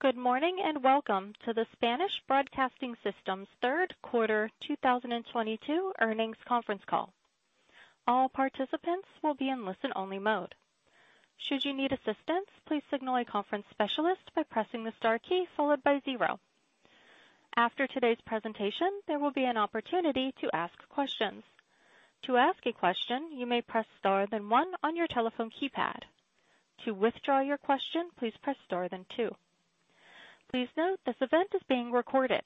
Good morning, welcome to the Spanish Broadcasting System's 3rd quarter 2022 earnings conference call. All participants will be in listen-only mode. Should you need assistance, please signal a conference specialist by pressing the star key followed by zero. After today's presentation, there will be an opportunity to ask questions. To ask a question, you may press star then one on your telephone keypad. To withdraw your question, please press star then two. Please note this event is being recorded.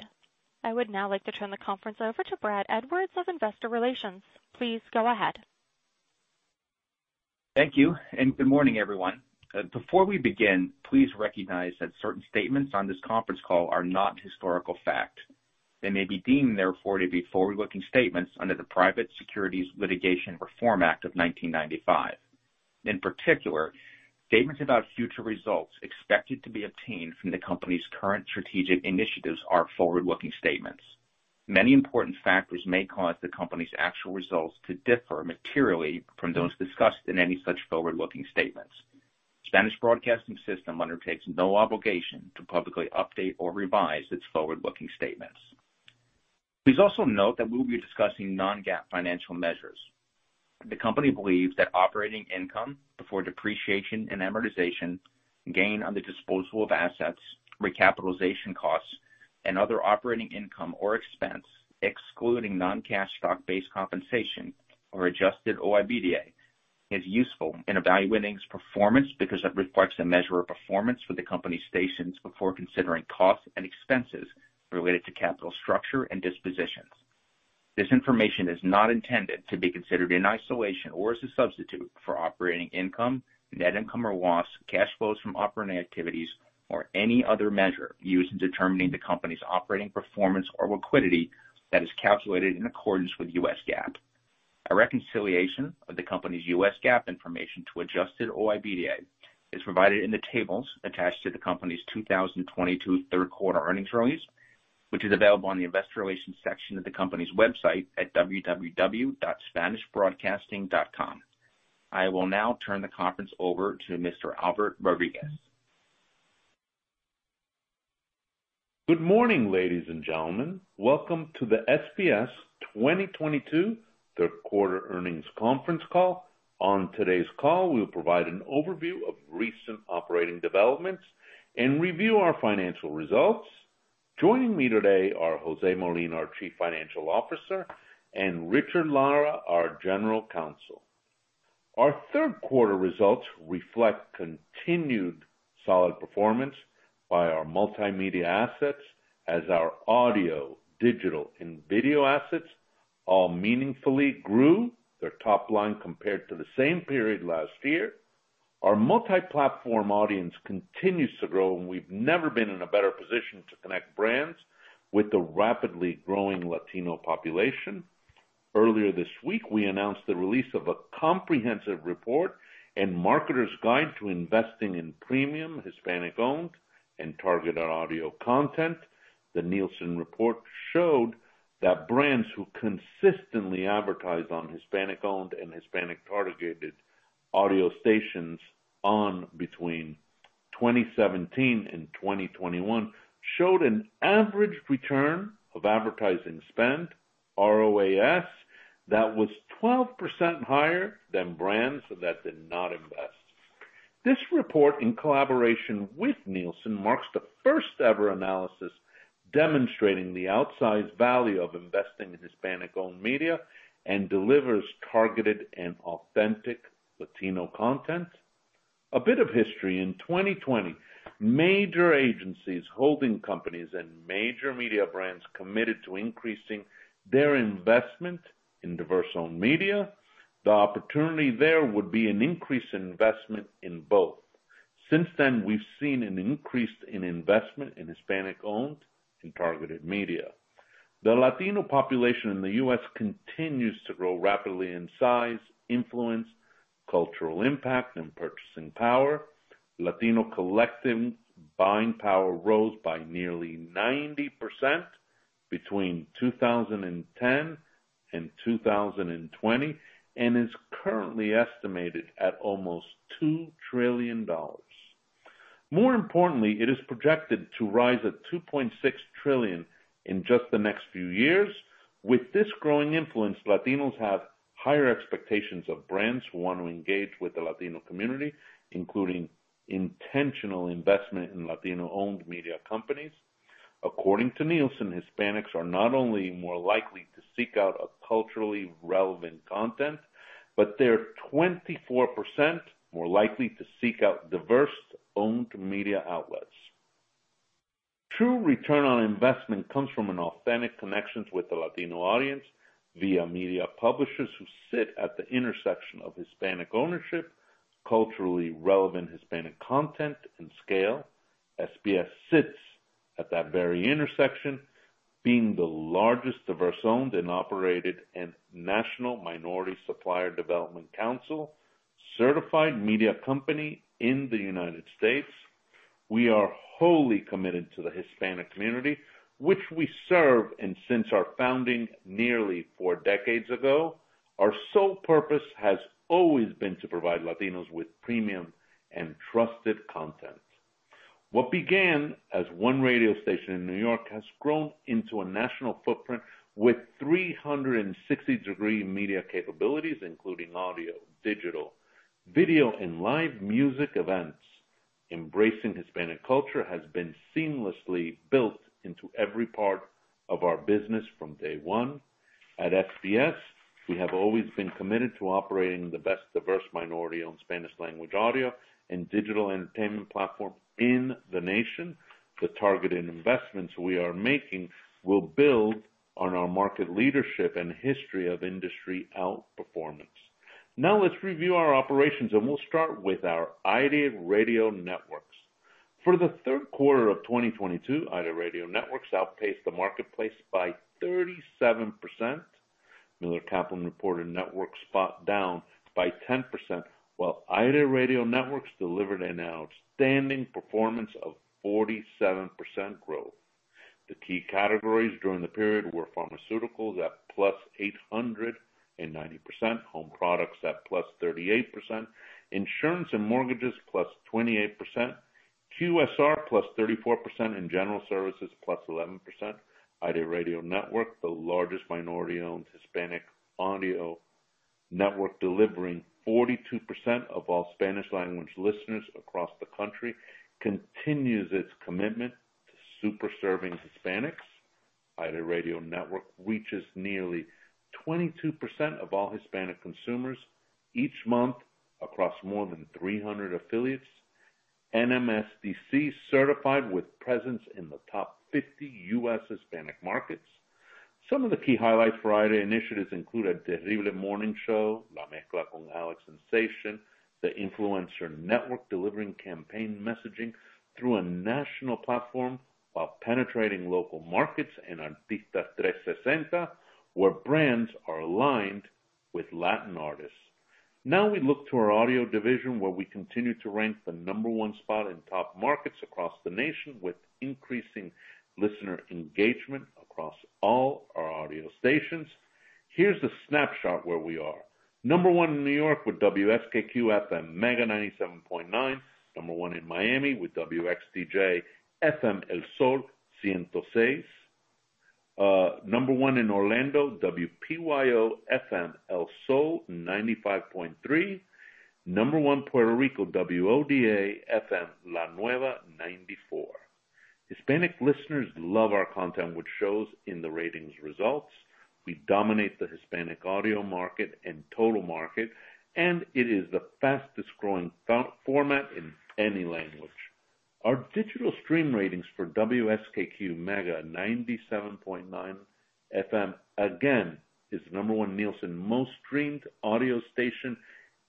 I would now like to turn the conference over to Brad Edwards of Investor Relations. Please go ahead. Thank you. Good morning, everyone. Before we begin, please recognize that certain statements on this conference call are not historical fact. They may be deemed therefore to be forward-looking statements under the Private Securities Litigation Reform Act of 1995. In particular, statements about future results expected to be obtained from the company's current strategic initiatives are forward-looking statements. Many important factors may cause the company's actual results to differ materially from those discussed in any such forward-looking statements. Spanish Broadcasting System undertakes no obligation to publicly update or revise its forward-looking statements. Please also note that we will be discussing non-GAAP financial measures. The company believes that operating income before depreciation and amortization, gain on the disposal of assets, recapitalization costs, and other operating income or expense, excluding non-cash stock-based compensation or Adjusted OIBDA, is useful in evaluating its performance because it reflects a measure of performance for the company's stations before considering costs and expenses related to capital structure and dispositions. This information is not intended to be considered in isolation or as a substitute for operating income, net income or loss, cash flows from operating activities, or any other measure used in determining the company's operating performance or liquidity that is calculated in accordance with U.S. GAAP. A reconciliation of the company's U.S. GAAP information to Adjusted OIBDA is provided in the tables attached to the company's 2022 third quarter earnings release, which is available on the investor relations section of the company's website at www.spanishbroadcasting.com. I will now turn the conference over to Mr. Albert Rodriguez. Good morning, ladies and gentlemen. Welcome to the SBS 2022 third quarter earnings conference call. On today's call, we'll provide an overview of recent operating developments and review our financial results. Joining me today are Jose Molina, our Chief Financial Officer, and Richard Lara, our General Counsel. Our third quarter results reflect continued solid performance by our multimedia assets as our audio, digital and video assets all meaningfully grew their top line compared to the same period last year. Our multi-platform audience continues to grow. We've never been in a better position to connect brands with the rapidly growing Latino population. Earlier this week, we announced the release of a comprehensive report and marketer's guide to investing in premium Hispanic-owned and targeted audio content. The Nielsen report showed that brands who consistently advertise on Hispanic-owned and Hispanic-targeted audio stations on between 2017 and 2021 showed an average return of advertising spend, ROAS, that was 12% higher than brands that did not invest. This report, in collaboration with Nielsen, marks the first ever analysis demonstrating the outsized value of investing in Hispanic-owned media and delivers targeted and authentic Latino content. A bit of history. In 2020, major agencies, holding companies, and major media brands committed to increasing their investment in diverse-owned media. The opportunity there would be an increase in investment in both. Since then, we've seen an increase in investment in Hispanic-owned and targeted media. The Latino population in the U.S. continues to grow rapidly in size, influence, cultural impact, and purchasing power. Latino collective buying power rose by nearly 90% between 2010 and 2020, and is currently estimated at almost $2 trillion. More importantly, it is projected to rise at $2.6 trillion in just the next few years. With this growing influence, Latinos have higher expectations of brands who want to engage with the Latino community, including intentional investment in Latino-owned media companies. According to Nielsen, Hispanics are not only more likely to seek out a culturally relevant content, but they're 24% more likely to seek out diverse-owned media outlets. True return on investment comes from an authentic connections with the Latino audience via media publishers who sit at the intersection of Hispanic ownership, culturally relevant Hispanic content and scale. SBS sits at that very intersection, being the largest diverse-owned and operated and National Minority Supplier Development Council certified media company in the United States. We are wholly committed to the Hispanic community which we serve, and since our founding nearly 4 decades ago. Our sole purpose has always been to provide Latinos with premium and trusted content. What began as 1 radio station in New York has grown into a national footprint with 360 degree media capabilities, including audio, digital, video, and live music events. Embracing Hispanic culture has been seamlessly built into every part of our business from day 1. At SBS, we have always been committed to operating the best diverse minority-owned Spanish language audio and digital entertainment platform in the nation. The targeted investments we are making will build on our market leadership and history of industry outperformance. Now let's review our operations, and we'll start with our AIRE Radio Networks. For the third quarter of 2022, AIRE Radio Networks outpaced the marketplace by 37%. Miller Kaplan reported network spot down by 10%, while AIRE Radio Networks delivered an outstanding performance of 47% growth. The key categories during the period were pharmaceuticals at +890%, home products at +38%, insurance and mortgages +28%, QSR +34%, and general services +11%. AIRE Radio Network, the largest minority-owned Hispanic audio network, delivering 42% of all Spanish language listeners across the country, continues its commitment to super serving Hispanics. AIRE Radio Network reaches nearly 22% of all Hispanic consumers each month across more than 300 affiliates. NMSDC certified with presence in the top 50 U.S. Hispanic markets. Some of the key highlights for Idea initiatives include El Terrible Morning Show, La Mezcla con Alex Sensation, the Influencer Network, delivering campaign messaging through a national platform while penetrating local markets, and Artistas 360, where brands are aligned with Latin artists. We look to our audio division, where we continue to rank the number one spot in top markets across the nation, with increasing listener engagement across all our audio stations. Here's a snapshot where we are. Number one in New York with WSKQ-FM Mega 97.9. Number one in Miami with WXDJ-FM El Zol 106. Number one in Orlando, WPYO FM El Zol 95.3. Number one Puerto Rico, WODA FM La Nueva 94. Hispanic listeners love our content, which shows in the ratings results. We dominate the Hispanic audio market and total market. It is the fastest growing format in any language. Our digital stream ratings for WSKQ Mega 97.9 FM, again, is number one Nielsen most streamed audio station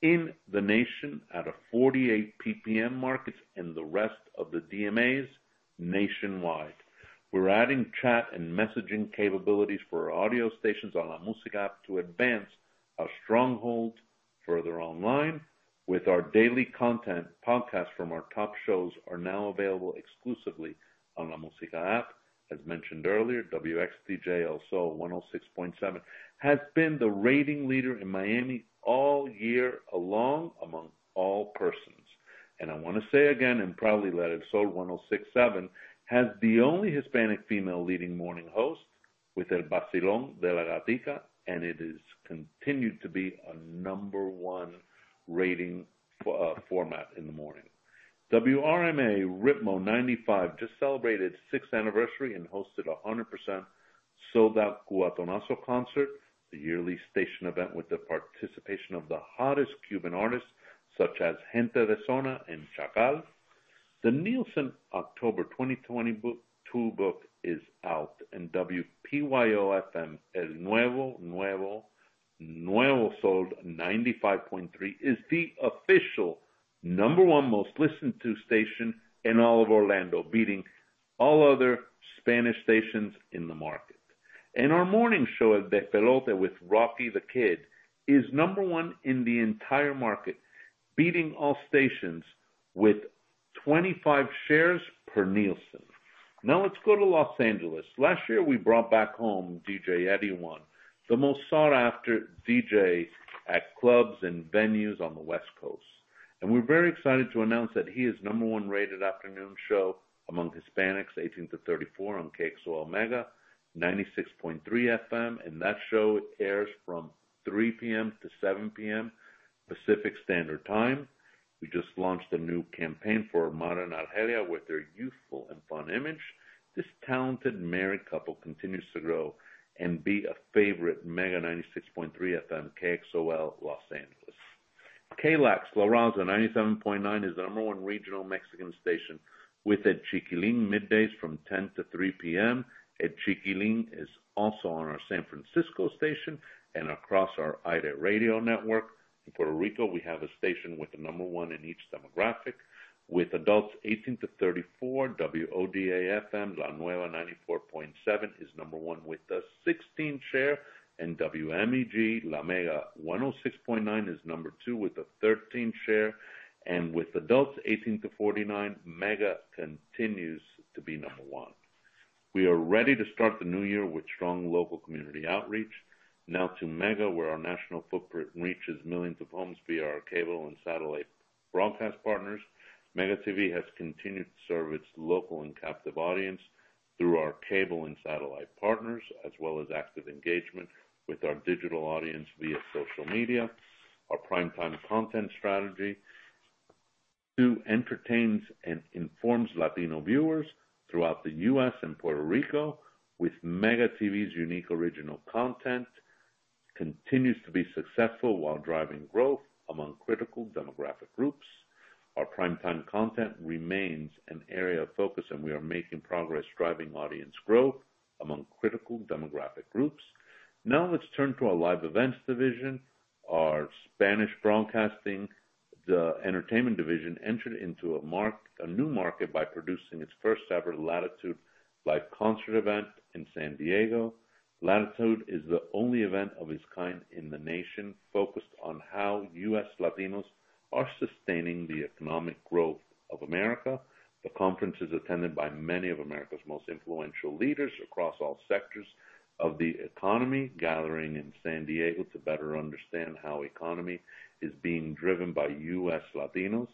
in the nation at a 48 PPM markets and the rest of the DMAs nationwide. We're adding chat and messaging capabilities for our audio stations on LaMusica app to advance our strongholds further online, with our daily content podcasts from our top shows are now available exclusively on LaMusica app. As mentioned earlier, WXDJ El Zol 106.7 has been the rating leader in Miami all year along among all persons. I wanna say again and proudly, that El Zol 106.7 has the only Hispanic female leading morning host with El Vacilón de La Gatita, and it has continued to be a number one rating format in the morning. WRMA Ritmo 95.7 just celebrated sixth anniversary and hosted a 100% sold out Cubatonazo concert, the yearly station event with the participation of the hottest Cuban artists such as Gente de Zona and Chacal. The Nielsen October 2020 book is out, WPYO El Nuevo Zol 95.3 is the official number one most listened to station in all of Orlando, beating all other Spanish stations in the market. Our morning show, El Despelote with Rocky The Kid, is number one in the entire market, beating all stations with 25 shares per Nielsen. Let's go to Los Angeles. Last year, we brought back home DJ Eddie One, the most sought after DJ at clubs and venues on the West Coast, and we're very excited to announce that he is number 1 rated afternoon show among Hispanics 18-34 on KXOL Mega 96.3 FM, and that show airs from 3:00 P.M. to 7:00 P.M. Pacific Standard Time. We just launched a new campaign for Armando and Argelia with their youthful and fun image. This talented married couple continues to grow and be a favorite Mega 96.3 FM KXOL Los Angeles. KLAX La Raza 97.9 is the number 1 regional Mexican station with El Chiquilín middays from 10:00 A.M. to 3:00 P.M. El Chiquilín is also on our San Francisco station and across our AIRE Radio Networks. In Puerto Rico, we have a station with the number one in each demographic. With adults 18-34, WODA FM La Nueva 94.7 is number one with a 16 share, and WMEG La Mega 106.9 is number two with a 13 share. With adults 18-49, Mega continues to be number one. We are ready to start the new year with strong local community outreach. Now to Mega, where our national footprint reaches millions of homes via our cable and satellite broadcast partners. MegaTV has continued to serve its local and captive audience through our cable and satellite partners, as well as active engagement with our digital audience via social media. Our primetime content strategy to entertains and informs Latino viewers throughout the U.S. and Puerto Rico with MegaTV's unique original content continues to be successful while driving growth among critical demographic groups. Our primetime content remains an area of focus, we are making progress driving audience growth among critical demographic groups. Let's turn to our live events division. Our Spanish Broadcasting, the entertainment division, entered into a new market by producing its first-ever L'ATTITUDE live concert event in San Diego. L'ATTITUDE is the only event of its kind in the nation focused on how U.S. Latinos are sustaining the economic growth of America. The conference is attended by many of America's most influential leaders across all sectors of the economy, gathering in San Diego to better understand how economy is being driven by U.S. Latinos.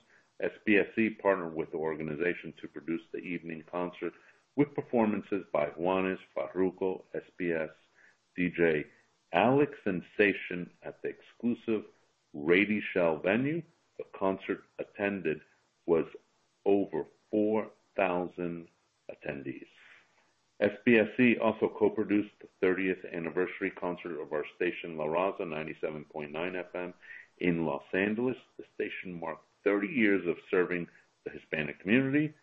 SBSC partnered with the organization to produce the evening concert with performances by Juanes, Farruko, SBS, DJ Alex Sensation at the exclusive Rady Shell venue. The concert attended was over 4,000 attendees. SBSC also co-produced the 30th anniversary concert of our station, La Raza 97.9 FM in Los Angeles. The station marked 30 years of serving the Hispanic community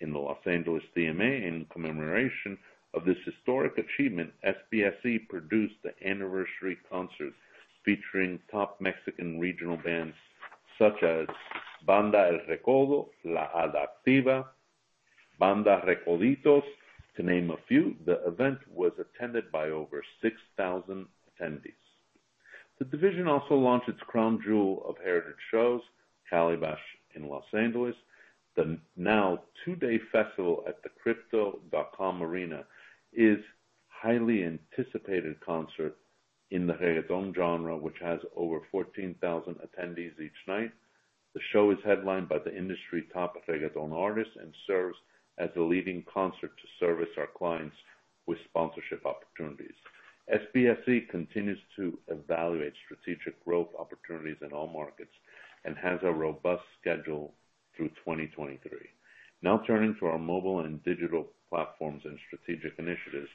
in the Los Angeles DMA. In commemoration of this historic achievement, SBSC produced the anniversary concert featuring top Mexican regional bands such as Banda El Recodo, La Adictiva, Banda Recoditos, to name a few. The event was attended by over 6,000 attendees. The division also launched its crown jewel of heritage shows, Calibash in Los Angeles. The now two-day festival at the Crypto.com Arena is highly anticipated concert in the reggaeton genre, which has over 14,000 attendees each night. The show is headlined by the industry top reggaeton artists and serves as a leading concert to service our clients with sponsorship opportunities. SBS continues to evaluate strategic growth opportunities in all markets and has a robust schedule through 2023. Now turning to our mobile and digital platforms and strategic initiatives.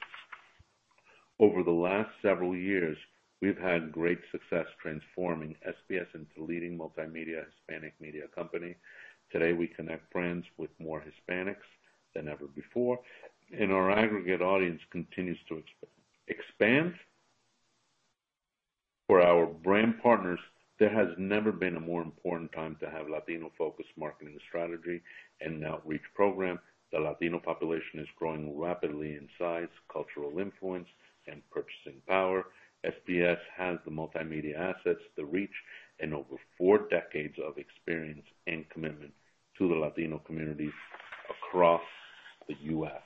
Over the last several years, we've had great success transforming SBS into leading multimedia Hispanic media company. Today, we connect brands with more Hispanics than ever before, and our aggregate audience continues to expand. For our brand partners, there has never been a more important time to have Latino-focused marketing strategy and outreach program. The Latino population is growing rapidly in size, cultural influence, and purchasing power. SBS has the multimedia assets, the reach, and over four decades of experience and commitment to the Latino community across the U.S.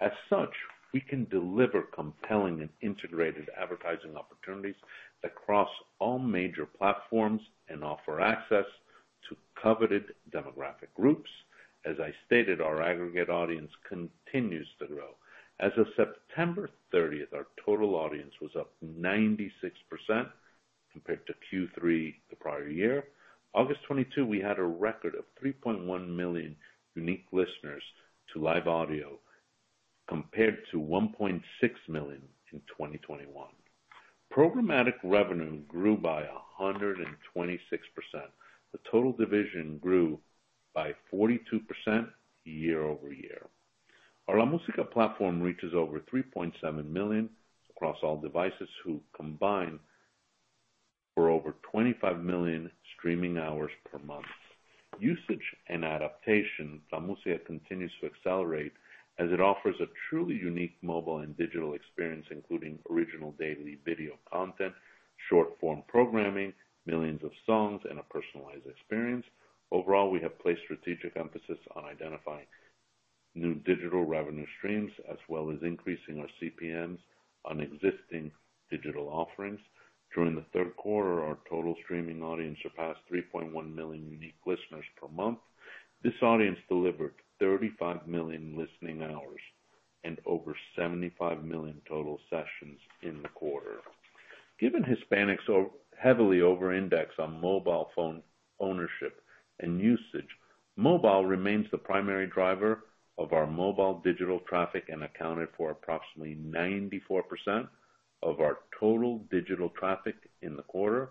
As such, we can deliver compelling and integrated advertising opportunities across all major platforms and offer access to coveted demographic groups. As I stated, our aggregate audience continues to grow. As of September thirtieth, our total audience was up 96% compared to Q3 the prior year. August twenty-two, we had a record of 3.1 million unique listeners to live audio compared to 1.6 million in 2021. Programmatic revenue grew by 126%. The total division grew by 42% year-over-year. Our La Música platform reaches over 3.7 million across all devices who combine for over 25 million streaming hours per month. Usage and adaptation, La Música continues to accelerate as it offers a truly unique mobile and digital experience, including original daily video content, short-form programming, millions of songs, and a personalized experience. Overall, we have placed strategic emphasis on identifying new digital revenue streams, as well as increasing our CPMs on existing digital offerings. During the third quarter, our total streaming audience surpassed 3.1 million unique listeners per month. This audience delivered 35 million listening hours and over 75 million total sessions in the quarter. Given Hispanics are heavily over indexed on mobile phone ownership and usage, mobile remains the primary driver of our mobile digital traffic and accounted for approximately 94% of our total digital traffic in the quarter.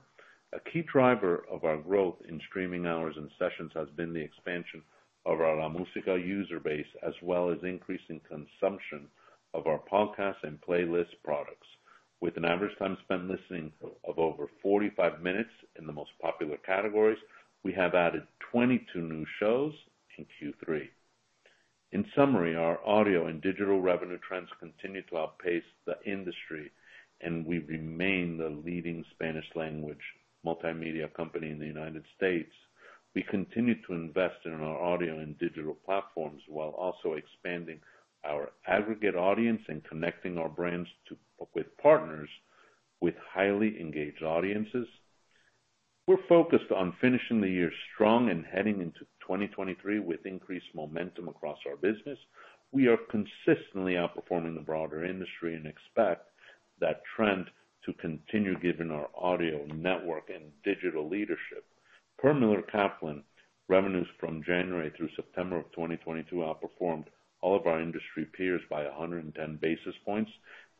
A key driver of our growth in streaming hours and sessions has been the expansion of our LaMusica user base, as well as increasing consumption of our podcast and playlist products. With an average time spent listening of over 45 minutes in the most popular categories, we have added 22 new shows in Q3. In summary, our audio and digital revenue trends continue to outpace the industry, and we remain the leading Spanish language multimedia company in the United States. We continue to invest in our audio and digital platforms while also expanding our aggregate audience and connecting our brands with partners with highly engaged audiences. We're focused on finishing the year strong and heading into 2023 with increased momentum across our business. We are consistently outperforming the broader industry and expect that trend to continue given our audio network and digital leadership. Per Miller Kaplan, revenues from January through September of 2022 outperformed all of our industry peers by 110 basis points.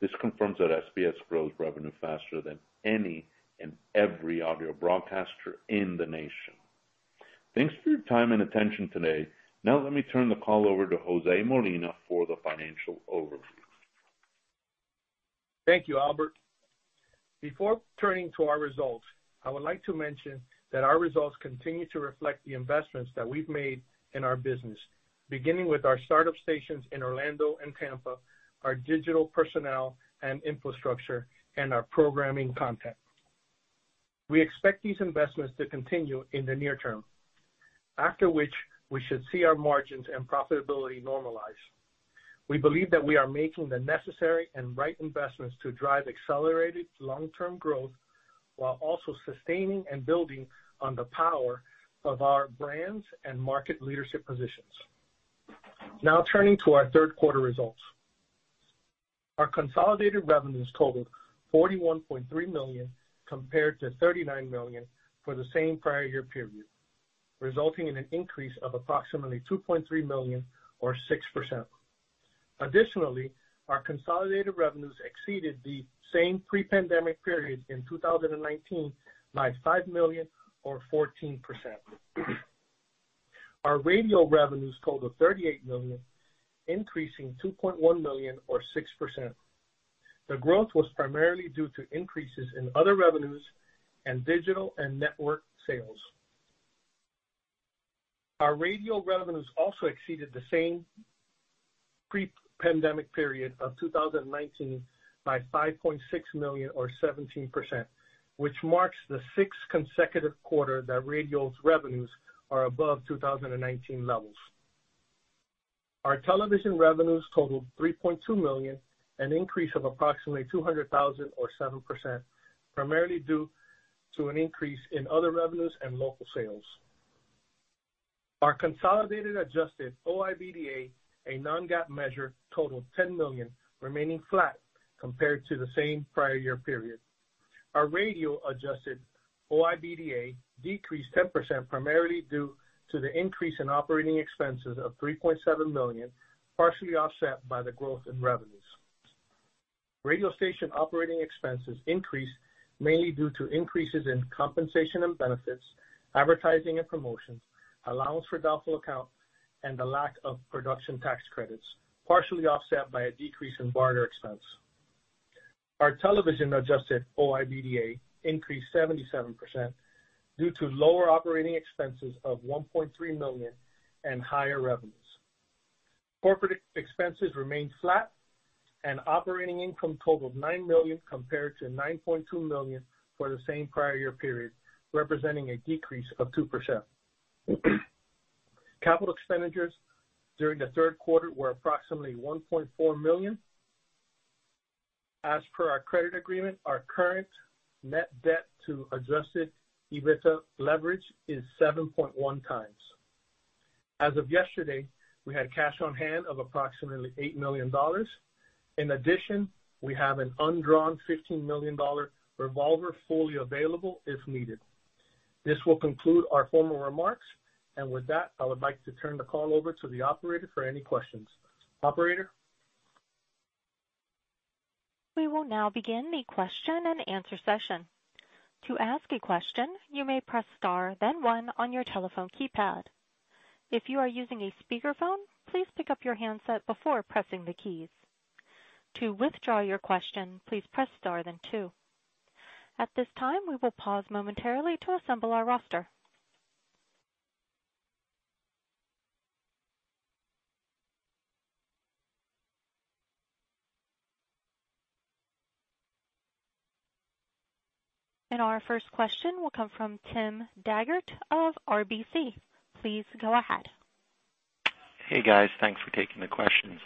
This confirms that SBS grows revenue faster than any and every audio broadcaster in the nation. Thanks for your time and attention today. Now let me turn the call over to Jose Molina for the financial overview. Thank you, Albert. Before turning to our results, I would like to mention that our results continue to reflect the investments that we've made in our business, beginning with our startup stations in Orlando and Tampa, our digital personnel and infrastructure, and our programming content. We expect these investments to continue in the near term, after which we should see our margins and profitability normalize. We believe that we are making the necessary and right investments to drive accelerated long-term growth while also sustaining and building on the power of our brands and market leadership positions. Turning to our third quarter results. Our consolidated revenues totaled $41.3 million compared to $39 million for the same prior year period, resulting in an increase of approximately $2.3 million or 6%. Additionally, our consolidated revenues exceeded the same pre-pandemic period in 2019 by $5 million or 14%. Our radio revenues totaled $38 million, increasing $2.1 million or 6%. The growth was primarily due to increases in other revenues and digital and network sales. Our radio revenues also exceeded the same pre-pandemic period of 2019 by $5.6 million or 17%, which marks the 6th consecutive quarter that radio's revenues are above 2019 levels. Our television revenues totaled $3.2 million, an increase of approximately $200,000 or 7%, primarily due to an increase in other revenues and local sales. Our consolidated Adjusted OIBDA, a non-GAAP measure, totaled $10 million, remaining flat compared to the same prior year period. Our radio Adjusted OIBDA decreased 10% primarily due to the increase in operating expenses of $3.7 million, partially offset by the growth in revenues. Radio station operating expenses increased mainly due to increases in compensation and benefits, advertising and promotions, allowance for doubtful accounts, and the lack of production tax credits, partially offset by a decrease in barter expense. Our television Adjusted OIBDA increased 77% due to lower operating expenses of $1.3 million and higher revenues. Corporate expenses remained flat and operating income totaled $9 million compared to $9.2 million for the same prior year period, representing a decrease of 2%. Capital expenditures during the third quarter were approximately $1.4 million. As per our credit agreement, our current net debt to Adjusted EBITDA leverage is 7.1 times. As of yesterday, we had cash on hand of approximately $8 million. In addition, we have an undrawn $15 million revolver fully available if needed. This will conclude our formal remarks. With that, I would like to turn the call over to the operator for any questions. Operator? We will now begin the question and answer session. To ask a question, you may press star then one on your telephone keypad. If you are using a speakerphone, please pick up your handset before pressing the keys. To withdraw your question, please press star then two. At this time, we will pause momentarily to assemble our roster. Our first question will come from Tim Daggett of RBC. Please go ahead. Hey, guys. Thanks for taking the questions.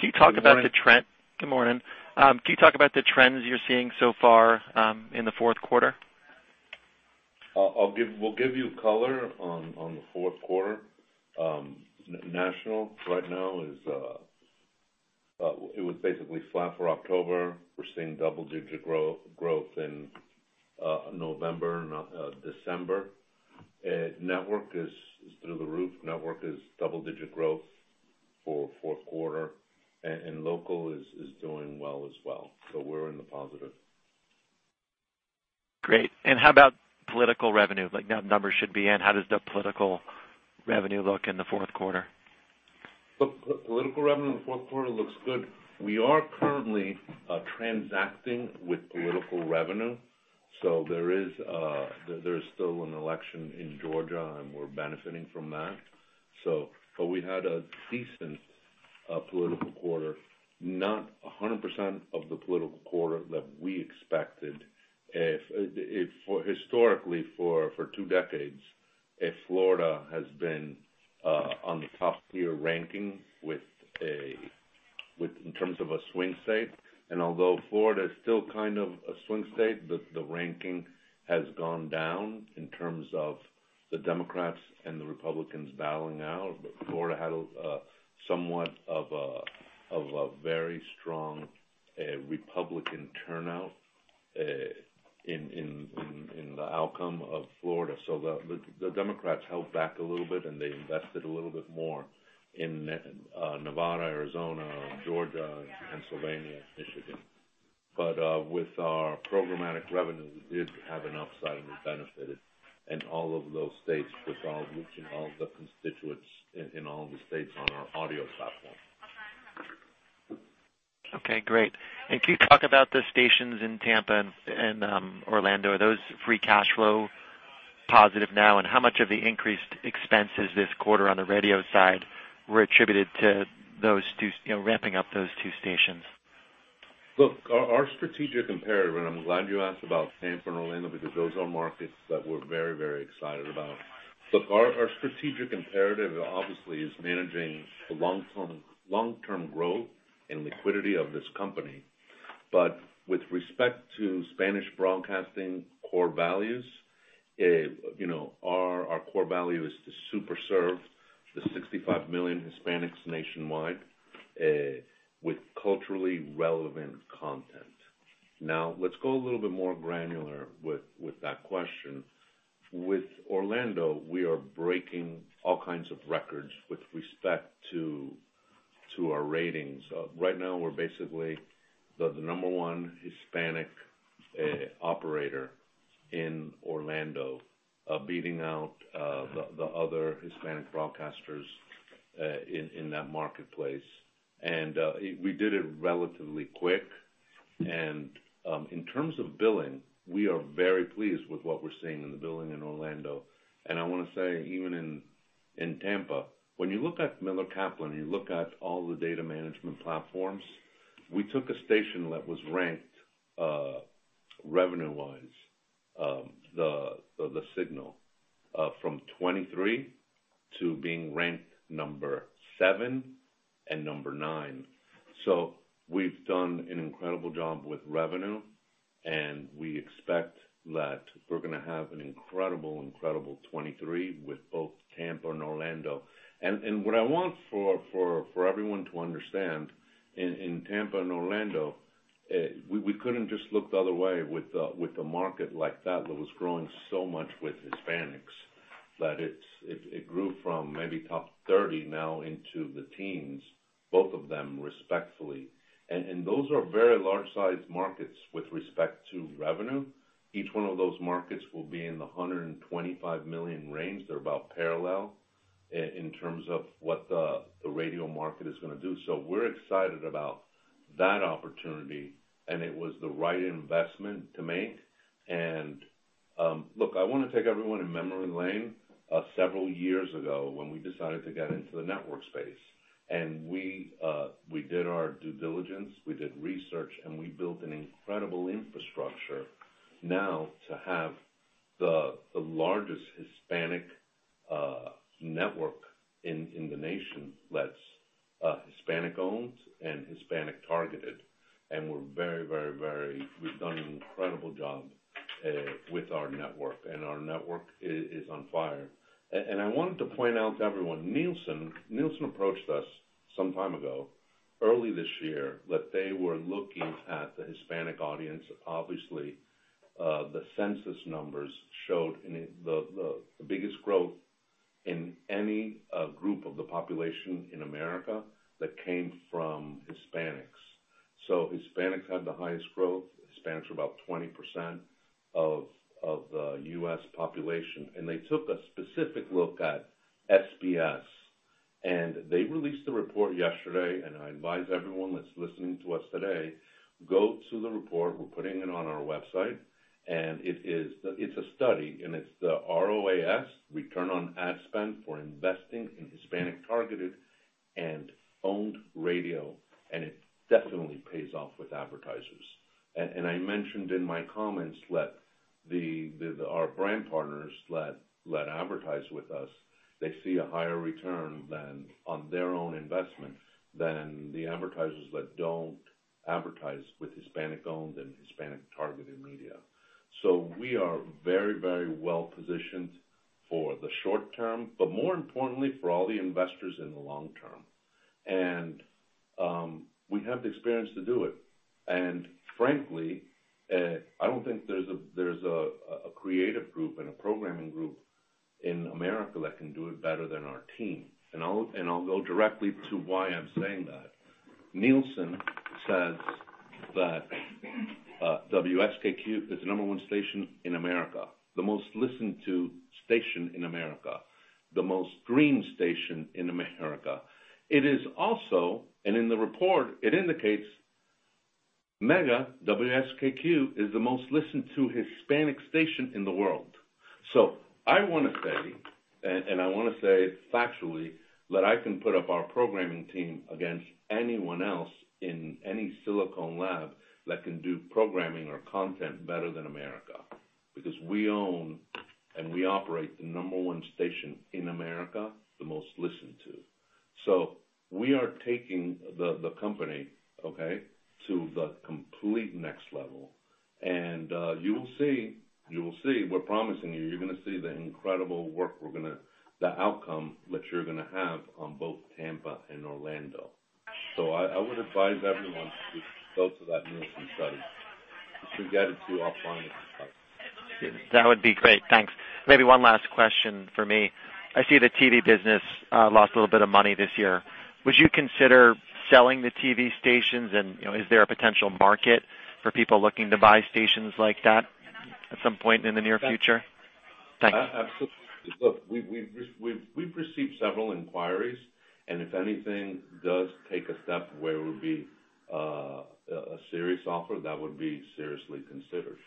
Good morning. Good morning. Can you talk about the trends you're seeing so far in the fourth quarter? We'll give you color on the fourth quarter. National right now is basically flat for October. We're seeing double-digit growth in November, December. Network is through the roof. Network is double-digit growth for fourth quarter. Local is doing well as well. We're in the positive. Great. How about political revenue? Like, that number should be in. How does the political revenue look in the fourth quarter? Look, political revenue in the fourth quarter looks good. We are currently transacting with political revenue, there's still an election in Georgia, we're benefiting from that. We had a decent political quarter, not a 100% of the political quarter that we expected. If for historically for two decades, if Florida has been on the top tier ranking in terms of a swing state, although Florida is still kind of a swing state, the ranking has gone down in terms of the Democrats and the Republicans battling out. Florida had a somewhat of a very strong Republican turnout in the outcome of Florida. The Democrats held back a little bit, and they invested a little bit more in Nevada, Arizona, Georgia, Pennsylvania, Michigan. With our programmatic revenue, we did have an upside, and we benefited. In all of those states with all, you know, all the constituents in all of the states on our audio platform. Okay, great. Can you talk about the stations in Tampa and Orlando, are those free cash flow positive now? How much of the increased expenses this quarter on the radio side were attributed to those two, you know, ramping up those two stations? Look, our strategic imperative, and I'm glad you asked about Tampa and Orlando because those are markets that we're very, very excited about. Look, our strategic imperative obviously is managing the long-term growth and liquidity of this company. With respect to Spanish Broadcasting core values, you know, our core value is to super serve the 65 million Hispanics nationwide, with culturally relevant content. Now let's go a little bit more granular with that question. With Orlando, we are breaking all kinds of records with respect to our ratings. Right now we're basically the number 1 Hispanic operator in Orlando, beating out the other Hispanic broadcasters in that marketplace. We did it relatively quick. In terms of billing, we are very pleased with what we're seeing in the billing in Orlando. I wanna say even in Tampa, when you look at Miller Kaplan, you look at all the data management platforms, we took a station that was ranked revenue-wise, the signal from 23 to being ranked number 7 and number 9. We've done an incredible job with revenue, and we expect that we're gonna have an incredible 23 with both Tampa and Orlando. What I want for everyone to understand in Tampa and Orlando, we couldn't just look the other way with the market like that was growing so much with Hispanics, that it grew from maybe top 30 now into the teens, both of them respectfully. Those are very large sized markets with respect to revenue. Each one of those markets will be in the $125 million range. They're about parallel in terms of what the radio market is gonna do. We're excited about that opportunity, and it was the right investment to make. Look, I wanna take everyone in memory lane several years ago when we decided to get into the network space, and we did our due diligence, we did research, and we built an incredible infrastructure now to have the largest Hispanic network in the nation that's Hispanic owned and Hispanic targeted. We're very, very, very. We've done an incredible job with our network, and our network is on fire. I wanted to point out to everyone, Nielsen approached us some time ago, early this year, that they were looking at the Hispanic audience. Obviously, the census numbers showed the biggest growth in any group of the population in America that came from Hispanics. Hispanics had the highest growth. Hispanics are about 20% of the U.S. population. They took a specific look at SBS. They released the report yesterday. I advise everyone that's listening to us today, go to the report. We're putting it on our website. It's a study. It's the ROAS, return on ad spend, for investing in Hispanic targeted and owned radio. It definitely pays off with advertisers. I mentioned in my comments that our brand partners that advertise with us, they see a higher return than on their own investment than the advertisers that don't advertise with Hispanic owned and Hispanic targeted media. We are very, very well positioned for the short term, but more importantly for all the investors in the long term. We have the experience to do it. Frankly, I don't think there's a creative group and a programming group in America that can do it better than our team. I'll go directly to why I'm saying that. Nielsen says that WSKQ is the number one station in America, the most listened to station in America, the most streamed station in America. It is also, and in the report, it indicates- Mega WSKQ is the most listened to Hispanic station in the world. I wanna say factually, that I can put up our programming team against anyone else in any Silicon Valley that can do programming or content better than America. Because we own and we operate the number one station in America, the most listened to. We are taking the company, okay, to the complete next level. You will see. We're promising you're gonna see the incredible work the outcome that you're gonna have on both Tampa and Orlando. I would advise everyone to go to that Nielsen study. Just can get it to you offline as well. That would be great. Thanks. Maybe one last question for me. I see the TV business lost a little bit of money this year. Would you consider selling the TV stations? You know, is there a potential market for people looking to buy stations like that at some point in the near future? Thank you. Look, we've received several inquiries. If anything does take a step where it would be a serious offer, that would be seriously considered.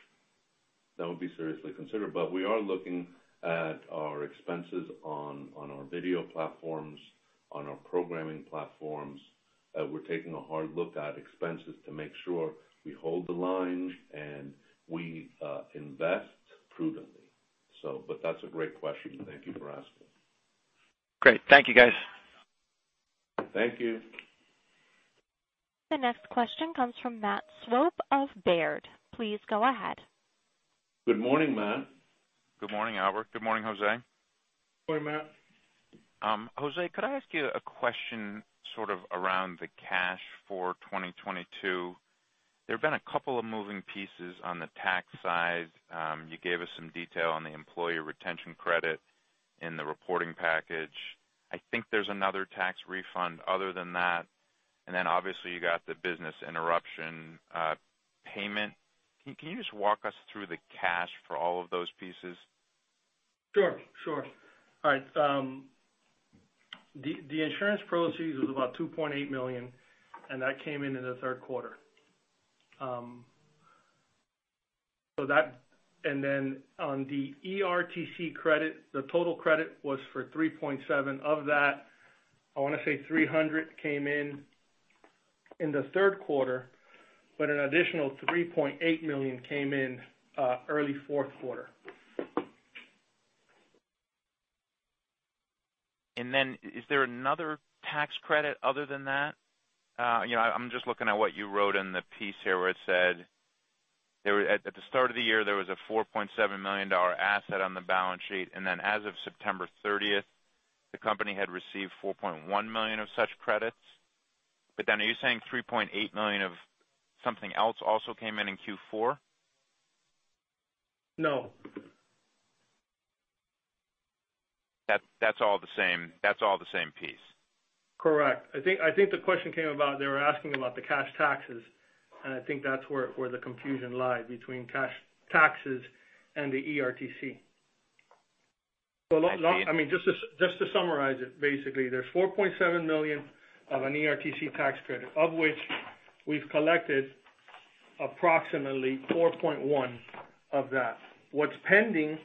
That would be seriously considered. We are looking at our expenses on our video platforms, on our programming platforms. We're taking a hard look at expenses to make sure we hold the line and we invest prudently. That's a great question. Thank you for asking. Great. Thank you, guys. Thank you. The next question comes from Matt Swope of Baird. Please go ahead. Good morning, Matt. Good morning, Albert. Good morning, Jose. Good morning, Matt. Jose, could I ask you a question sort of around the cash for 2022? There have been a couple of moving pieces on the tax side. You gave us some detail on the employee retention credit in the reporting package. I think there's another tax refund other than that. Obviously you got the business interruption payment. Can you just walk us through the cash for all of those pieces? Sure. Sure. All right. The insurance proceeds was about $2.8 million. That came in in the third quarter. Then on the ERTC credit, the total credit was for $3.7 million. Of that, I wanna say $300 came in in the third quarter. An additional $3.8 million came in early fourth quarter. Is there another tax credit other than that? you know, I'm just looking at what you wrote in the piece here, where it said at the start of the year, there was a $4.7 million asset on the balance sheet, and then as of September 30th, the company had received $4.1 million of such credits. Are you saying $3.8 million of something else also came in in Q4? No. That's all the same piece. Correct. I think the question came about they were asking about the cash taxes, and I think that's where the confusion lies between cash taxes and the ERTC. I see it. I mean, just to summarize it, basically, there's $4.7 million of an ERTC tax credit, of which we've collected approximately $4.1 million of that. What's pending,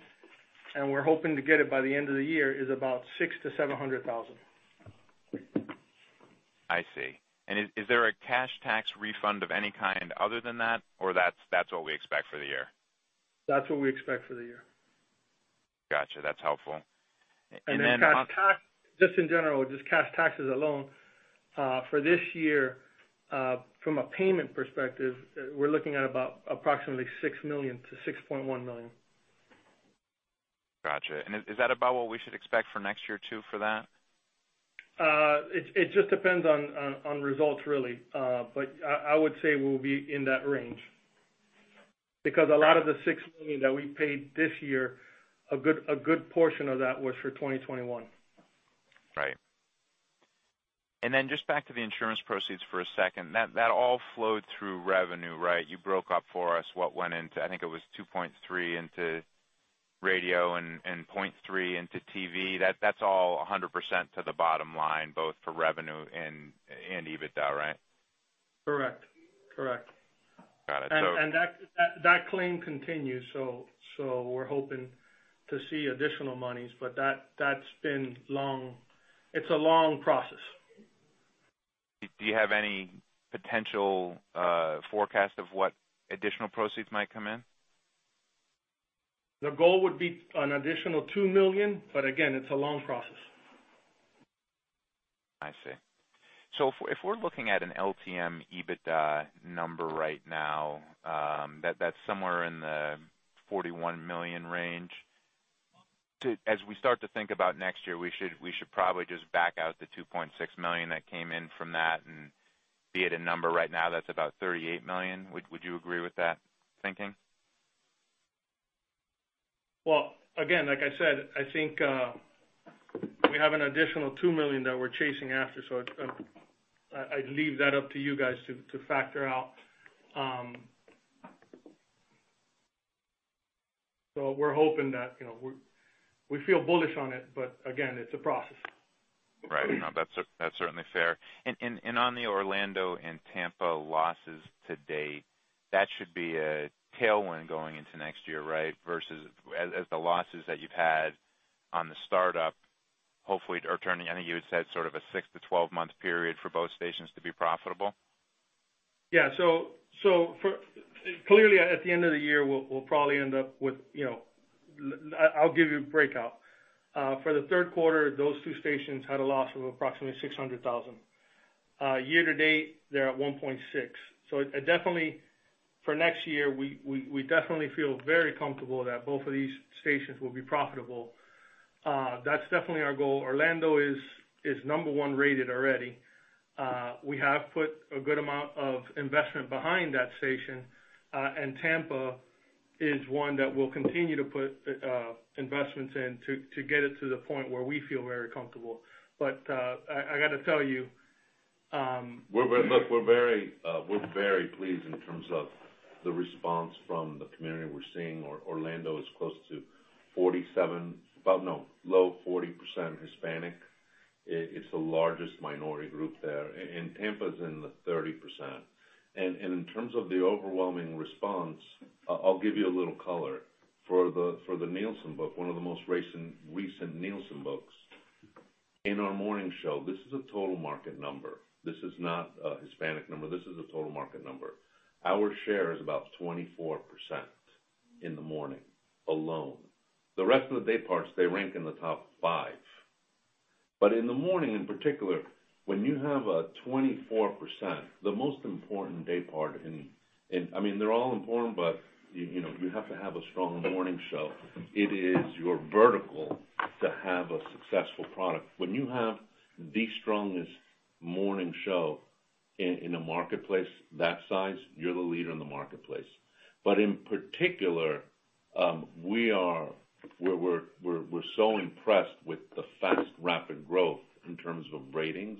and we're hoping to get it by the end of the year, is about $600,000-$700,000. I see. Is there a cash tax refund of any kind other than that, or that's what we expect for the year? That's what we expect for the year. Gotcha, that's helpful. In cash tax, just in general, just cash taxes alone, for this year, from a payment perspective, we're looking at about approximately $6 million-$6.1 million. Gotcha. Is that about what we should expect for next year too for that? It just depends on results really. I would say we'll be in that range. Because a lot of the $6 million that we paid this year, a good portion of that was for 2021. Right. Then just back to the insurance proceeds for a second. That all flowed through revenue, right? You broke up for us what went into... I think it was $2.3 into radio and $0.3 into TV. That's all 100% to the bottom line, both for revenue and EBITDA, right? Correct. Got it. That claim continues, so we're hoping to see additional monies. That's been long. It's a long process. Do you have any potential forecast of what additional proceeds might come in? The goal would be an additional $2 million. Again, it's a long process. I see. If we're looking at an LTM EBITDA number right now, that's somewhere in the $41 million range, as we start to think about next year, we should probably just back out the $2.6 million that came in from that and be at a number right now that's about $38 million. Would you agree with that thinking? Again, like I said, I think, we have an additional $2 million that we're chasing after. It's, I leave that up to you guys to factor out. We're hoping that, you know, we feel bullish on it, but again, it's a process. Right. No, that's certainly fair. On the Orlando and Tampa losses to date, that should be a tailwind going into next year, right? Versus as the losses that you've had on the startup, hopefully are turning. I think you had said sort of a 6-12-month period for both stations to be profitable. Clearly, at the end of the year, we'll probably end up with, you know. I'll give you a breakout. For the third quarter, those two stations had a loss of approximately $600,000. Year to date, they're at $1.6 million. It definitely for next year, we definitely feel very comfortable that both of these stations will be profitable. That's definitely our goal. Orlando is number one-rated already. We have put a good amount of investment behind that station, and Tampa is one that we'll continue to put investments in to get it to the point where we feel very comfortable. I gotta tell you, We're very. Look, we're very pleased in terms of the response from the community we're seeing. Orlando is close to 47, low 40% Hispanic. It's the largest minority group there. Tampa is in the 30%. In terms of the overwhelming response, I'll give you a little color. For the Nielsen book, one of the most recent Nielsen books. In our morning show, this is a total market number. This is not a Hispanic number. This is a total market number. Our share is about 24% in the morning alone. The rest of the day parts, they rank in the top 5. In the morning, in particular, when you have a 24%, the most important day part in... I mean, they're all important, you know, you have to have a strong morning show. It is your vertical to have a successful product. When you have the strongest morning show in a marketplace that size, you're the leader in the marketplace. In particular, we're so impressed with the fast, rapid growth in terms of ratings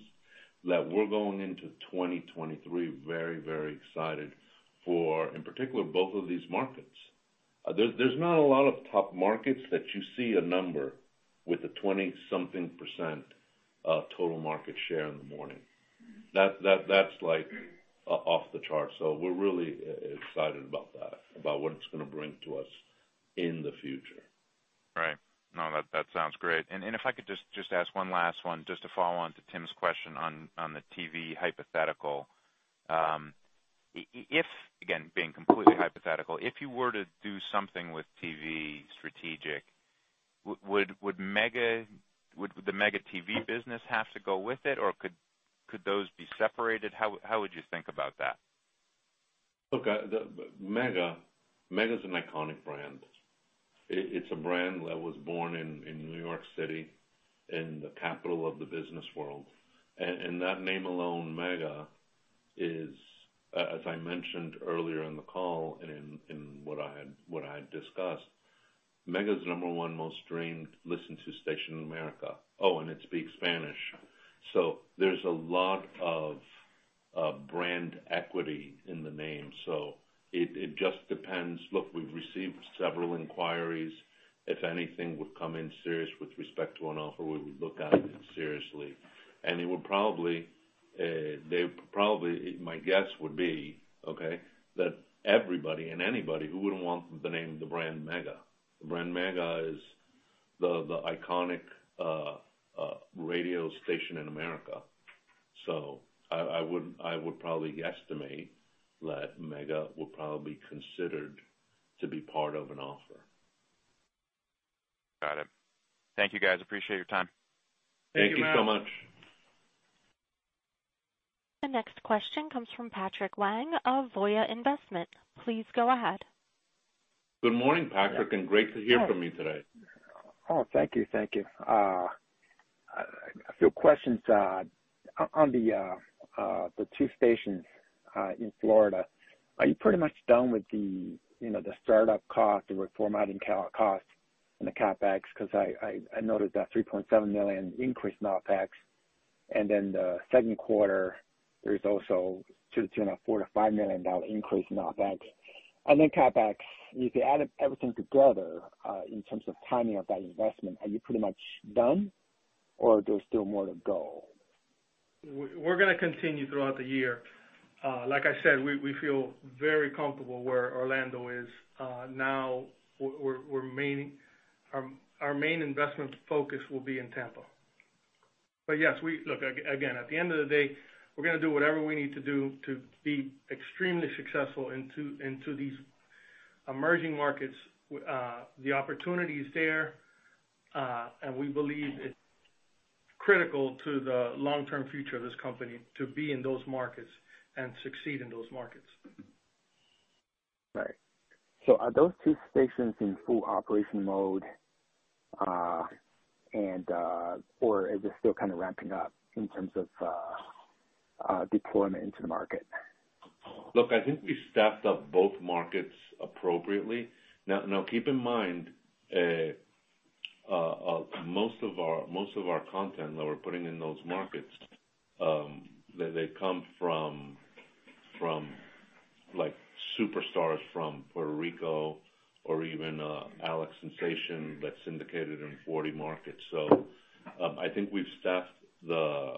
that we're going into 2023 very, very excited for, in particular, both of these markets. There's not a lot of top markets that you see a number with a 20-something% of total market share in the morning. That's like off the charts. We're really excited about that, about what it's gonna bring to us in the future. Right. No, that sounds great. If I could just ask one last one, just to follow on to Tim's question on the TV hypothetical. If, again, being completely hypothetical, if you were to do something with TV strategic, would Mega, would the MegaTV business have to go with it, or could those be separated? How would you think about that? Look, the Mega's an iconic brand. It's a brand that was born in New York City, in the capital of the business world. That name alone, Mega, is, as I mentioned earlier in the call and in what I had discussed, Mega is the number one most streamed listened to station in America. It speaks Spanish. There's a lot of brand equity in the name. It just depends. Look, we've received several inquiries. If anything would come in serious with respect to an offer, we would look at it seriously. It would probably, they probably, my guess would be, okay, that everybody and anybody who wouldn't want the name, the brand Mega. The brand Mega is the iconic radio station in America. I would probably guesstimate that Mega would probably considered to be part of an offer. Got it. Thank you, guys. Appreciate your time. Thank you so much. Thank you, Matt. The next question comes from Patrick Lang of Voya Investment. Please go ahead. Good morning, Patrick, and great to hear from you today. Oh, thank you. Thank you. A few questions. On the two stations in Florida, are you pretty much done with the, you know, the start-up cost, the reformatting cost and the CapEx? I noticed that $3.7 million increase in OpEx. The second quarter, there is also $2 million-$5 million increase in OpEx. CapEx, if you added everything together, in terms of timing of that investment, are you pretty much done or there's still more to go? We're gonna continue throughout the year. Like I said, we feel very comfortable where Orlando is. Now our main investment focus will be in Tampa. Yes, look, again, at the end of the day, we're gonna do whatever we need to do to be extremely successful into these emerging markets. The opportunity is there, and we believe it's critical to the long-term future of this company to be in those markets and succeed in those markets. Right. Are those two stations in full operation mode, and, or is it still kind of ramping up in terms of, deployment into the market? Look, I think we staffed up both markets appropriately. Now, keep in mind, most of our content that we're putting in those markets, they come from, like, superstars from Puerto Rico or even Alex Sensation that's syndicated in 40 markets. I think we've staffed the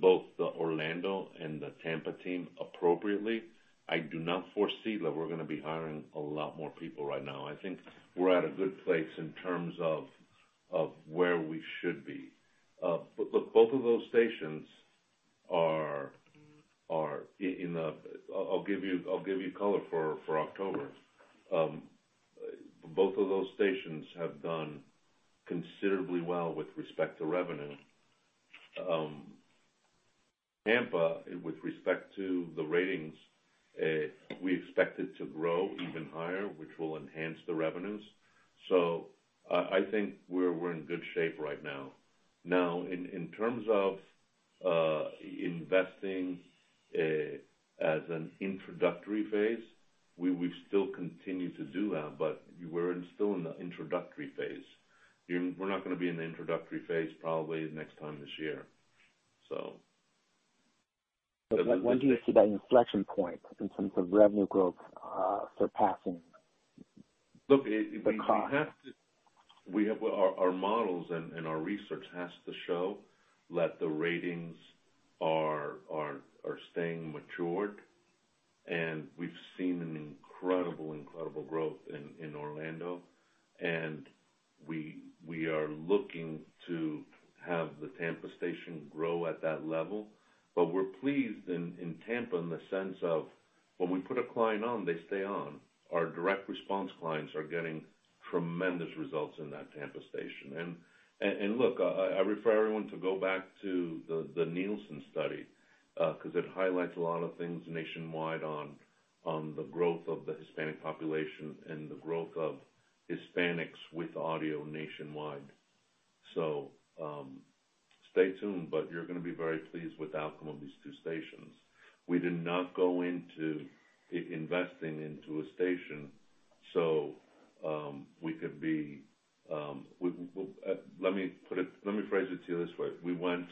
both the Orlando and the Tampa team appropriately. I do not foresee that we're gonna be hiring a lot more people right now. I think we're at a good place in terms of where we should be. Look, both of those stations are in a... I'll give you color for October. Both of those stations have done considerably well with respect to revenue. Tampa, with respect to the ratings, we expect it to grow even higher, which will enhance the revenues. I think we're in good shape right now. In terms of investing as an introductory phase, we still continue to do that, but we're still in the introductory phase. We're not gonna be in the introductory phase probably next time this year. When do you see that inflection point in terms of revenue growth? Look, we have to. the cost. Our models and our research has to show that the ratings are staying matured. We've seen incredible growth in Orlando. We are looking to have the Tampa station grow at that level. We're pleased in Tampa in the sense of when we put a client on, they stay on. Our direct response clients are getting tremendous results in that Tampa station. Look, I refer everyone to go back to the Nielsen study, 'cause it highlights a lot of things nationwide on the growth of the Hispanic population and the growth of Hispanics with audio nationwide. Stay tuned, but you're gonna be very pleased with the outcome of these 2 stations. We did not go into investing into a station. Let me phrase it to you this way. We went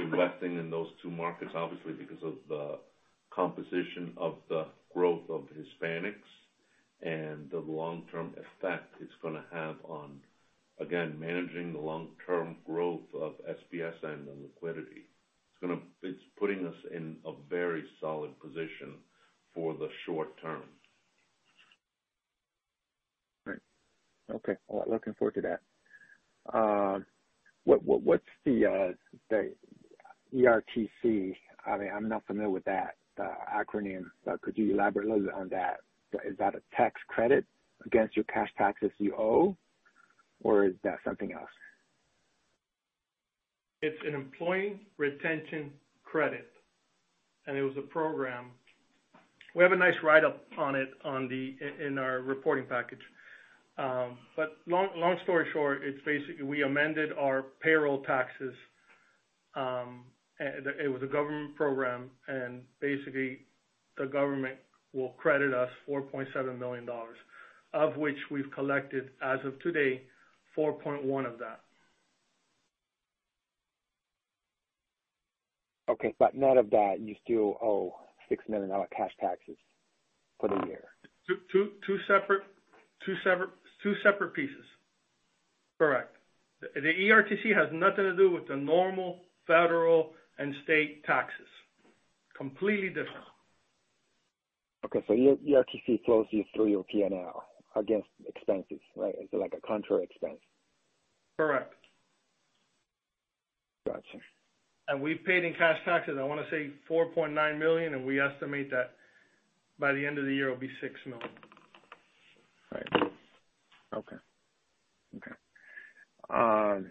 investing in those two markets, obviously, because of the composition of the growth of Hispanics and the long-term effect it's gonna have on, again, managing the long-term growth of SBS and the liquidity. It's putting us in a very solid position for the short term. Right. Okay. Well, looking forward to that. What, what's the ERTC? I mean, I'm not familiar with that acronym, but could you elaborate a little bit on that? Is that a tax credit against your cash taxes you owe, or is that something else? It's an employee retention credit. It was a program. We have a nice write-up on it in our reporting package. Long story short, it's basically we amended our payroll taxes. It was a government program. Basically, the government will credit us $4.7 million, of which we've collected, as of today, $4.1 of that. Okay. Net of that, you still owe $6 million cash taxes for the year. Two separate pieces. Correct. The ERTC has nothing to do with the normal federal and state taxes. Completely different. Okay. ERTC flows you through your P&L against expenses, right? It's like a contra expense. Correct. Gotcha. We've paid in cash taxes, I wanna say $4.9 million, and we estimate that by the end of the year, it'll be $6 million. Right. Okay. Okay.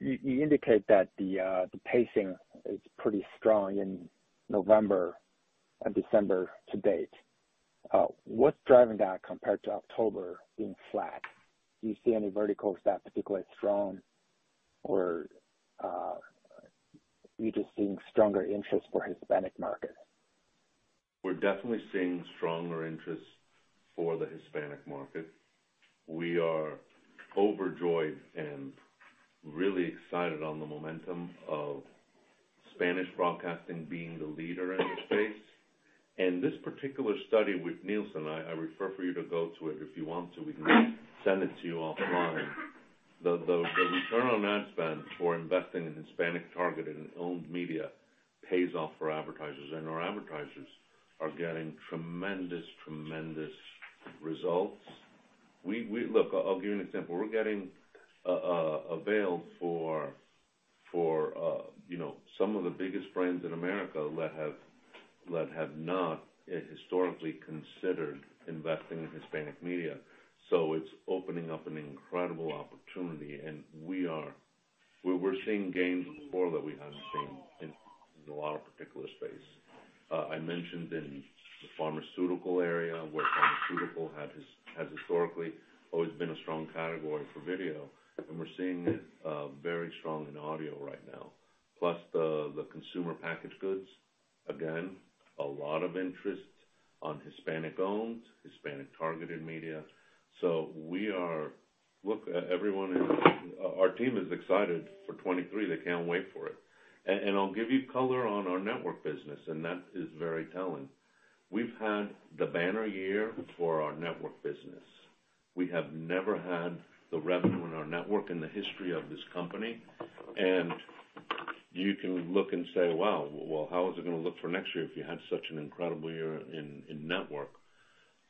You indicate that the pacing is pretty strong in November and December to date. What's driving that compared to October being flat? Do you see any verticals that are particularly strong or, are you just seeing stronger interest for Hispanic markets? We're definitely seeing stronger interest for the Hispanic market. We are overjoyed and really excited on the momentum of Spanish Broadcasting being the leader in the space. This particular study with Nielsen, I refer for you to go to it. If you want to, we can send it to you offline. The return on ad spend for investing in Hispanic-targeted and owned media pays off for advertisers. Our advertisers are getting tremendous results. Look, I'll give you an example. We're getting a veil for, you know, some of the biggest brands in America that have not historically considered investing in Hispanic media. It's opening up an incredible opportunity, and we're seeing gains before that we haven't seen in a lot of particular space. I mentioned in the pharmaceutical area where pharmaceutical has historically always been a strong category for video, and we're seeing it very strong in audio right now. Plus the consumer packaged goods, again, a lot of interest on Hispanic owned, Hispanic targeted media. We are look, everyone in our team is excited for 23. They can't wait for it. I'll give you color on our network business, and that is very telling. We've had the banner year for our network business. We have never had the revenue in our network in the history of this company. You can look and say, "Wow, well, how is it gonna look for next year if you had such an incredible year in network?"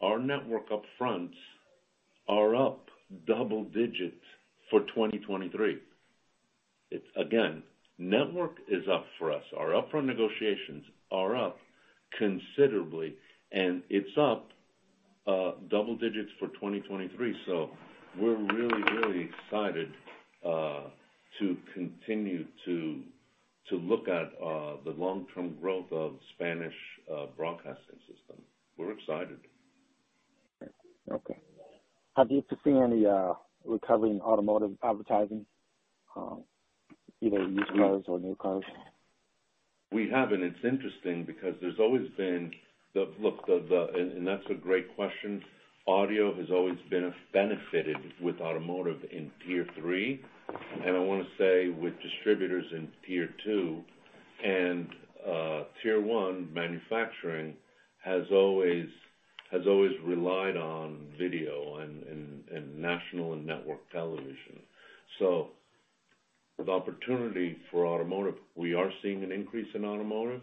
Our network upfronts are up double digits for 2023. It's again, network is up for us. Our upfront negotiations are up considerably. It's up double digits for 2023. We're really excited to continue to look at the long-term growth of Spanish Broadcasting System. We're excited. Okay. Have you foreseen any recovery in automotive advertising, either used cars or new cars? We have, it's interesting because there's always been. That's a great question. Audio has always benefited with automotive in tier three, and I wanna say with distributors in tier two. Tier one manufacturing has always relied on video and national and network television. The opportunity for automotive, we are seeing an increase in automotive.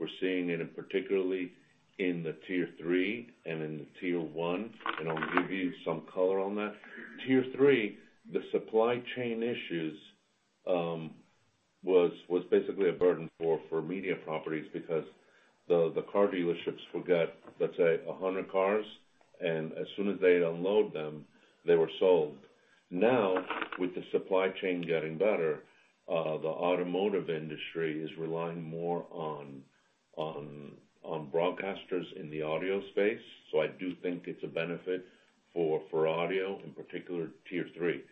We're seeing it in, particularly in the tier three and in the tier one, and I'll give you some color on that. Tier three, the supply chain issues was basically a burden for media properties because the car dealerships will get, let's say, 100 cars, and as soon as they unload them, they were sold. Now, with the supply chain getting better, the automotive industry is relying more on broadcasters in the audio space. I do think it's a benefit for audio, in particular, tier three.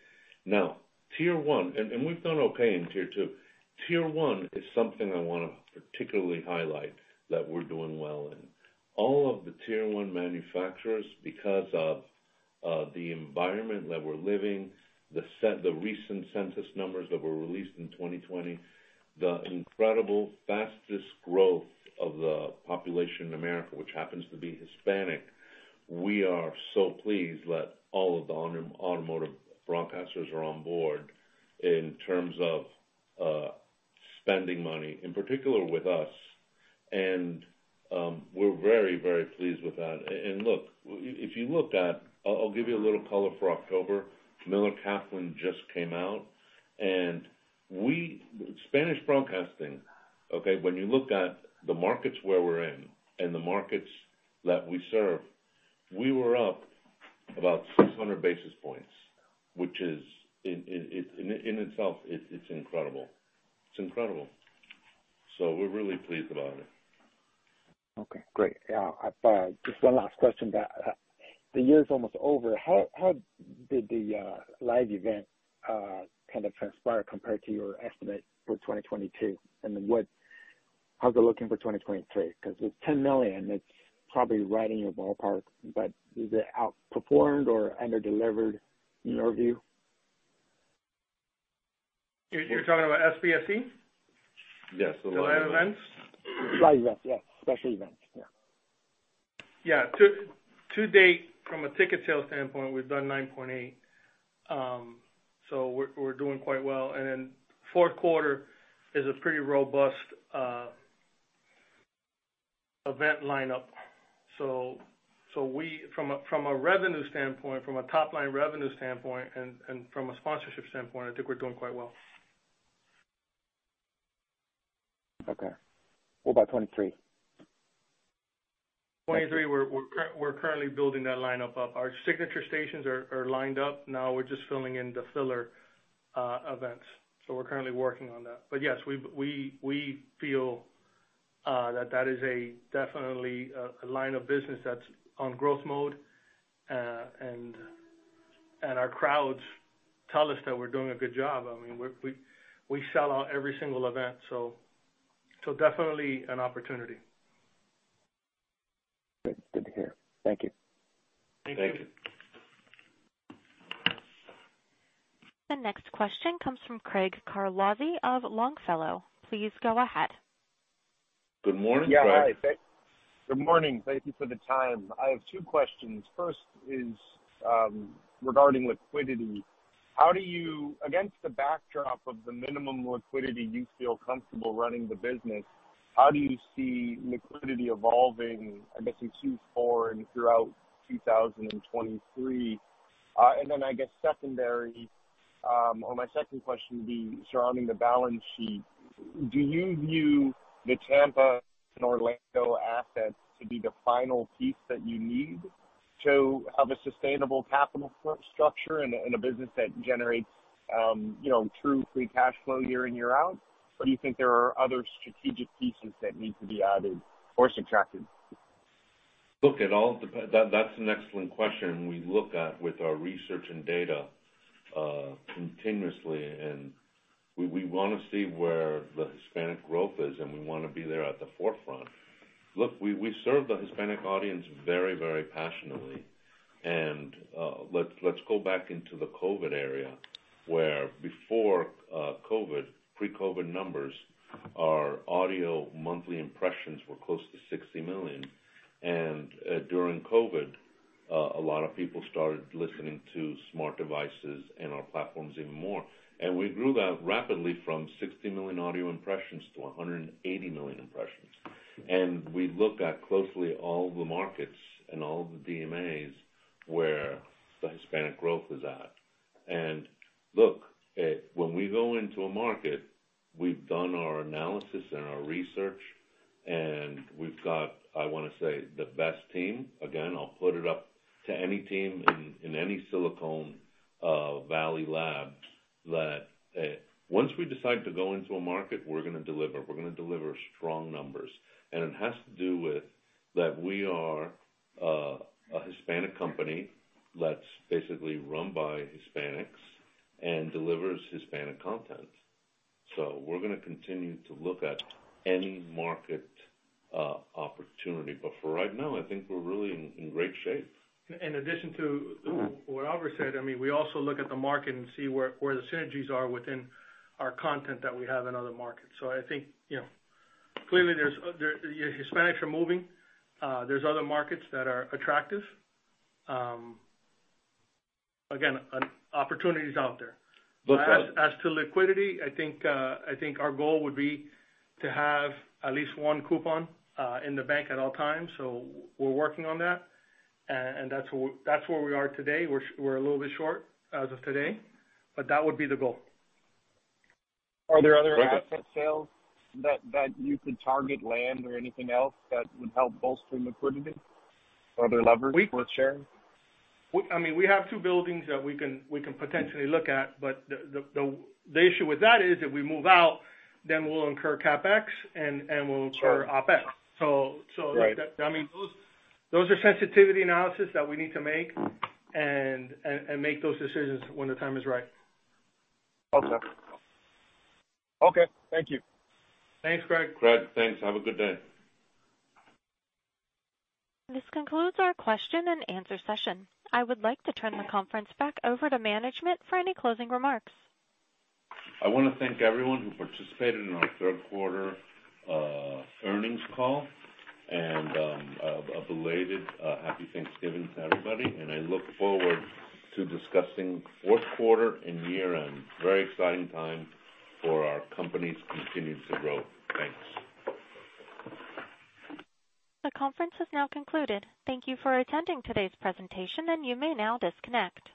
We've done okay in tier two. Tier one is something I wanna particularly highlight that we're doing well in. All of the tier one manufacturers, because of the environment that we're living, the recent census numbers that were released in 2020, the incredible fastest growth of the population in America, which happens to be Hispanic, we are so pleased that all of the automotive broadcasters are on board in terms of spending money, in particular with us. We're very pleased with that. Look, if you looked at. I'll give you a little color for October. Miller Kaplan just came out and Spanish Broadcasting, okay? When you look at the markets where we're in and the markets that we serve, we were up about 600 basis points, which is in itself, it's incredible. It's incredible. We're really pleased about it. Okay, great. Yeah, I've, just 1 last question that, the year's almost over, how did the live event kind of transpire compared to your estimate for 2022? How's it looking for 2023? 'Cause it's $10 million, it's probably right in your ballpark, but is it outperformed or underdelivered in your view? You're talking about SBS? Yes. The live events? Live events, yes. Special events. Yeah. Yeah. To date, from a ticket sale standpoint, we've done $9.8. We're doing quite well. Fourth quarter is a pretty robust event lineup. From a revenue standpoint, from a top-line revenue standpoint and from a sponsorship standpoint, I think we're doing quite well. Okay. What about 23? 23, we're currently building that lineup up. Our signature stations are lined up. Now we're just filling in the filler events. We're currently working on that. Yes, we feel that that is a definitely a line of business that's on growth mode. And our crowds tell us that we're doing a good job. I mean, we sell out every single event, so definitely an opportunity. Good. Good to hear. Thank you. Thank you. Thank you. The next question comes from Craig Carlozzi of Longfellow. Please go ahead. Good morning, Craig. Yeah. Hi. Good morning. Thank you for the time. I have two questions. First is regarding liquidity. Against the backdrop of the minimum liquidity you feel comfortable running the business, how do you see liquidity evolving, I'm guessing, Q4 and throughout 2023? I guess secondary, or my second question would be surrounding the balance sheet. Do you view the Tampa and Orlando assets to be the final piece that you need to have a sustainable capital structure in a business that generates, you know, true free cash flow year in, year out? Do you think there are other strategic pieces that need to be added or subtracted? Look, it all That's an excellent question we look at with our research and data continuously. We wanna see where the Hispanic growth is, and we wanna be there at the forefront. Look, we serve the Hispanic audience very, very passionately. Let's go back into the COVID area, where before COVID, pre-COVID numbers, our audio monthly impressions were close to 60 million. During COVID, a lot of people started listening to smart devices and our platforms even more. We grew that rapidly from 60 million audio impressions to 180 million impressions. We looked at closely all the markets and all the DMAs where the Hispanic growth was at. Look, when we go into a market, we've done our analysis and our research, and we've got, I wanna say, the best team. I'll put it up to any team in any Silicon Valley lab that once we decide to go into a market, we're gonna deliver. We're gonna deliver strong numbers. It has to do with that we are a Hispanic company that's basically run by Hispanics and delivers Hispanic content. We're gonna continue to look at any market opportunity. For right now, I think we're really in great shape. In addition to what Albert said, I mean, we also look at the market and see where the synergies are within our content that we have in other markets. I think, you know, clearly there's Hispanics are moving. There's other markets that are attractive. Again, an opportunity is out there. But- As to liquidity, I think our goal would be to have at least one coupon in the bank at all times. We're working on that. That's where we are today. We're a little bit short as of today, but that would be the goal. Are there other asset sales that you could target, land or anything else that would help bolster liquidity? Are there levers worth sharing? I mean, we have two buildings that we can potentially look at, but the issue with that is if we move out, then we'll incur CapEx and we'll incur OpEx. Sure. Right. So that, I mean, those are sensitivity analysis that we need to make and make those decisions when the time is right. Okay. Okay. Thank you. Thanks, Craig. Craig, thanks. Have a good day. This concludes our question and answer session. I would like to turn the conference back over to management for any closing remarks. I wanna thank everyone who participated in our third quarter earnings call. A belated Happy Thanksgiving to everybody. I look forward to discussing fourth quarter and year-end. Very exciting time for our company's continued to grow. Thanks. The conference has now concluded. Thank you for attending today's presentation. You may now disconnect.